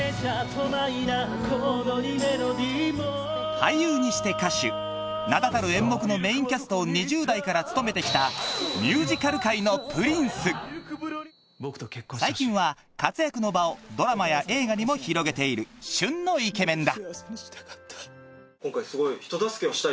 俳優にして歌手名だたる演目のメインキャストを２０代から務めて来た最近は活躍の場をドラマや映画にも広げている旬のイケメンだ